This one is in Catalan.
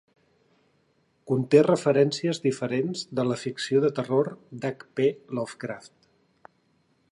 Conté referències diferents de la ficció de terror d'H. P. Lovecraft.